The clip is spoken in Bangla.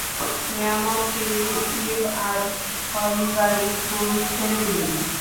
মোমো, থিরি, ইভ আর ওলিভার স্কুল ছেড়ে দিল।